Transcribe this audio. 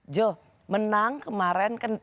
jo menang kemarin kan